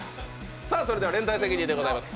それでは、連帯責任でございます。